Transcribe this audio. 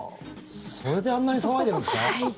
それであんなに騒いでるんですか？